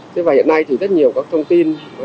thế và hiện nay thì rất nhiều các thông tin